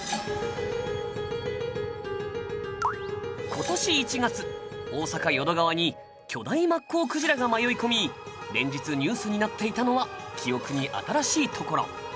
今年１月大阪淀川に巨大マッコウクジラが迷い込み連日ニュースになっていたのは記憶に新しいところ。